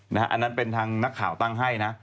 อันนั้นเป็นทางนักข่าวตั้งให้นะ